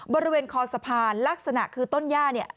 บริเวณคอสะพานลักษณะคือต้นย่าเนี่ย